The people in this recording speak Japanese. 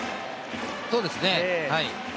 そうですね、はい。